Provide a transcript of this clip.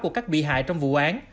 của các bị hại trong vụ án